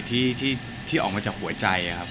ที่ออกโยชน์จากหัวใจครับ